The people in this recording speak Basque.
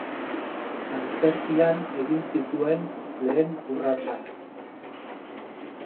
Antzerkian egin zituen lehen urratsak.